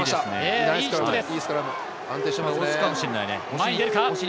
いいヒットです。